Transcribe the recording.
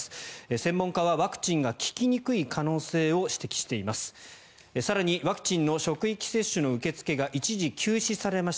専門家はワクチンが効きにくい可能性を指摘しています。